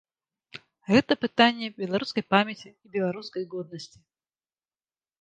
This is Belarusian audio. Гэта пытанне беларускай памяці і беларускай годнасці.